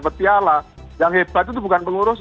petiara yang hebat itu bukan pengurus